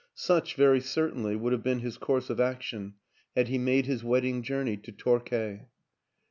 Such, very certainly, would have been his course of action had he made his wed ding journey to Torquay.